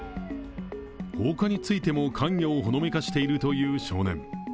放火についても関与をほのめかしているという少年。